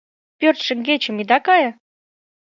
Пӧрт шеҥгечем ида кае -